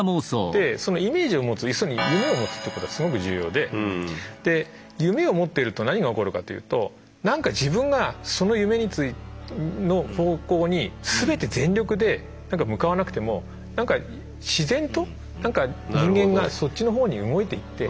そのイメージを持つ要するに夢を持つってことがすごく重要で夢を持ってると何がおこるかというとなんか自分がその夢の方向に全て全力で向かわなくても自然となんか人間がそっちのほうに動いていって。